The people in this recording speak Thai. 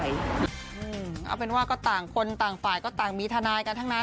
เอาเป็นว่าก็ต่างคนต่างฝ่ายก็ต่างมีทาง